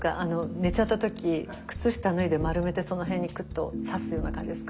寝ちゃった時靴下脱いで丸めてその辺にクッとさすような感じですか？